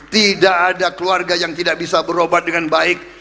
tidak ada keluarga yang tidak bisa berobat dengan baik